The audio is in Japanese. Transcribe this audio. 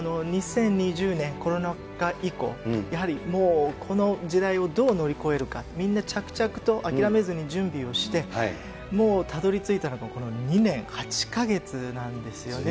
２０２０年、コロナ禍以降、やはりもう、この時代をどう乗り越えるか、みんな着々と諦めずに準備をして、もうたどりついたのが２年８か月なんですよね。